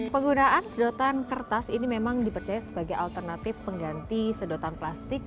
penggunaan sedotan kertas ini memang dipercaya sebagai alternatif pengganti sedotan plastik